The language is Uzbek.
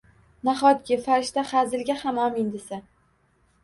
Nahotki, farishta hazilga ham “Omin” desa?